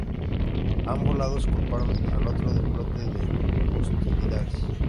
Ambos lados culparon al otro del brote de hostilidades.